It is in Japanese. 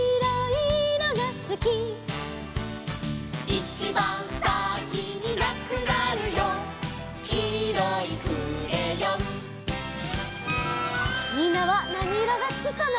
「いちばんさきになくなるよ」「きいろいクレヨン」みんなはなにいろがすきかな？